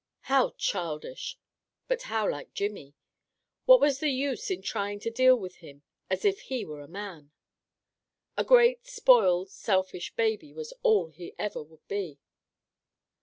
How childish! But how like Jimmy! What was the use in trying to deal with him as if he were a man? A great spoiled, selfish baby was all he ever would be.